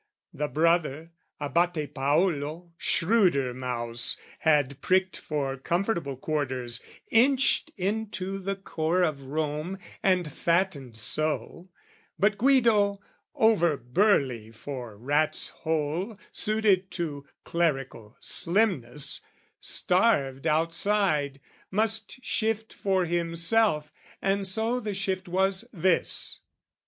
The brother, Abate Paolo, shrewder mouse, Had pricked for comfortable quarters, inched Into the core of Rome, and fattened so; But Guido, over burly for rat's hole Suited to clerical slimness, starved outside, Must shift for himself: and so the shift was this!